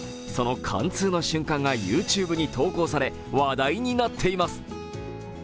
その貫通の瞬間がＹｏｕＴｕｂｅに投稿され話題になっています。